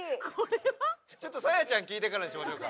ちょっとサーヤちゃん聞いてからにしましょうか。